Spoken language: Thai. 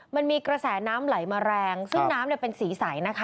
มันมีกระแสน้ำไหลมาแรงซึ่งน้ำเป็นสีใสนะคะ